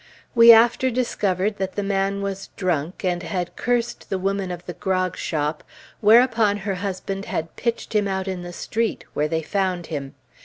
We after discovered that the man was drunk, and had cursed the woman of the grog shop, whereupon her husband had pitched him out in the street, where they found him.